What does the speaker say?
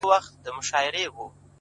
د غني ـ غني خوځښته قدم اخله_